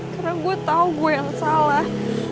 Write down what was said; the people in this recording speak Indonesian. karena gue tau gue yang salah